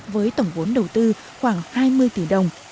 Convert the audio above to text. với tổng vốn đầu tư khoảng hai mươi tỷ đồng